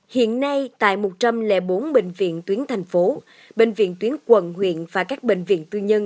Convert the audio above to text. hiện nay tại một trăm linh bốn bệnh viện tuyến thành phố bệnh viện tuyến quận huyện và các bệnh viện tư nhân